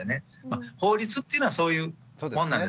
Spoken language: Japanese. まあ法律っていうのはそういうもんなんですよね。